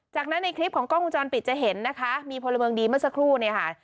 จากนั้นในคลิปของกล้องวงจรปิดจะเห็นนะคะมีพลเมืองดีเมื่อสักครู่เนี่ยค่ะ